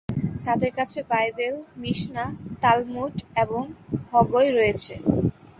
তাদের কাছে Bible, Mishnah, Talmud এবং হগয় রয়েছে।